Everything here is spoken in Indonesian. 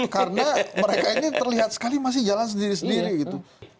karena mereka ini terlihat sekali masih jalan sendiri sendiri gitu